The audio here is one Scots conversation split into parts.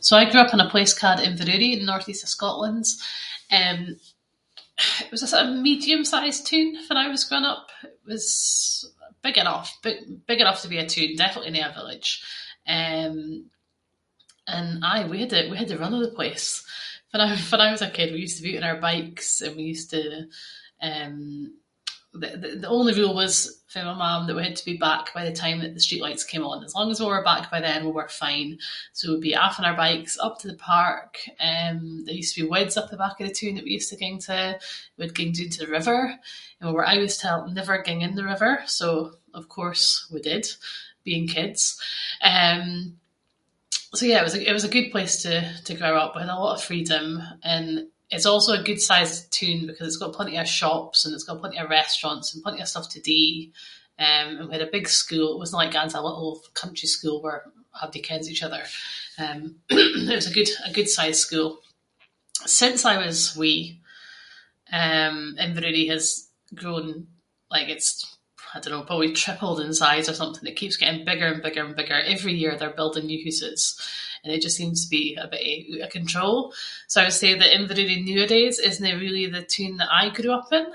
So, I grew up in a place ca’d Inverurie in the North-East of Scotland. Eh, it was sort of a medium sized toon fann I was growing up. It was big enough- big enough to be a toon, definitely no a village. Eh and aye, we had the- we had the run of the place. Fa- fann I was a kid we used to be out on our bikes, and we used to eh- the only rule was fae my mam was that we had to be back by the time that the streetlights came on, as long as we were back by then we were fine. So, we’d be off on our bikes, up to the park, eh there used to be [inc] up the back of the toon that we used to ging to, we’d ging doon to the river. And we were always telt, “never ging in the river”, so of course, we did, being kids. Eh, so yeah, it was- it was a good place to grow up and a lot of freedom and it’s also a good-sized toon ‘cause it’s got plenty of shops, and it’s got plenty of restaurants, and plenty of stuff to do, eh and we had a big school, it wasn’t like a [inc] little country school where abody kens each other. Eh there’s a good- a good-sized school. Since I was wee, eh, Inverurie has grown, like it’s I don’t know, probably tripled in size or something. It keeps getting bigger and bigger and bigger. Every year, they’re building new hooses, and it just seems to be a bittie oot of control. So, I would say that Inverurie nooadays isnae really the toon that I grew up in.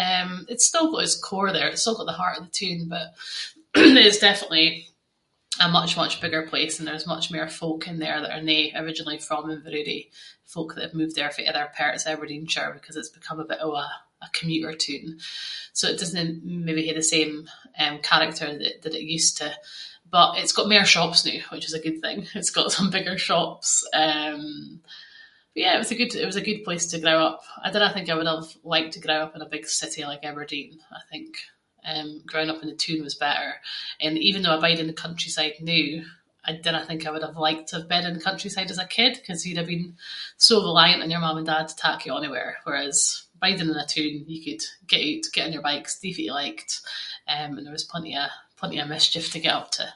Eh, it’s still got its core there, it’s still got the heart of the toon, but it’s definitely a much much bigger place, and there’s much mair folk in there that are no originally from Inverurie, folk that have moved there fae other parts of Aberdeenshire, because it’s become a bit of a- a bit of a commuter toon. So it doesnae maybe have the same, eh, character that it used to, but it’s got mair shops noo, which is a good thing, it’s got some bigger shops, eh. But yeah, it was a good- it was a good place to grow up, I dinna think I would’ve liked to grow up in a big city like Aberdeen. I think, eh growing up in the toon was better, and even though I bide in the countryside noo, I dinna trhink I would’ve liked to have bed in the countryside as a kid, ‘cause you’d have been so reliant on your mum and dad to tak you onywhere, whereas biding in a toon, you could get oot, get on your bike, do what you liked, eh and there was plenty of- plenty of mischief to get up to.